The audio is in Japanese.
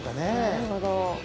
・なるほど。